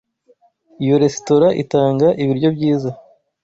Iyo resitora itanga ibiryo byiza.